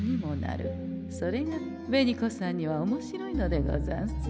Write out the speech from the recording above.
それが紅子さんにはおもしろいのでござんす。